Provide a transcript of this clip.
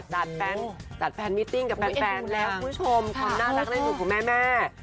แฟนจัดแฟนมิตติ้งกับแฟนแล้วคุณผู้ชมความน่ารักในหนุ่มของแม่